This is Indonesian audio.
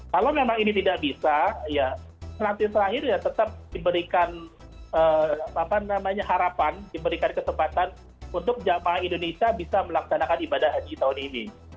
kalau memang ini tidak bisa ya nanti terakhir ya tetap diberikan harapan diberikan kesempatan untuk jamaah indonesia bisa melaksanakan ibadah haji tahun ini